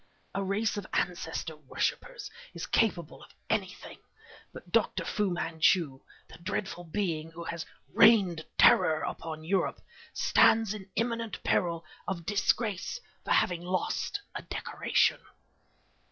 A race of ancestor worshipers is capable of anything, and Dr. Fu Manchu, the dreadful being who has rained terror upon Europe stands in imminent peril of disgrace for having lost a decoration."